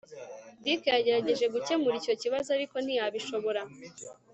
Dick yagerageje gukemura icyo kibazo ariko ntiyabishobora